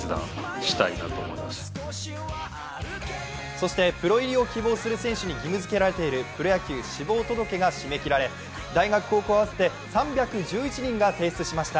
そしてプロ入りを希望する選手に義務づけられているプロ野球志望届が締め切られ大学・高校合わせて３１１人の選手が提出しました。